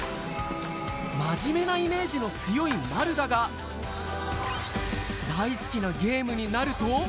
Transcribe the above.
真面目なイメージの強い丸だが、大好きなゲームになると。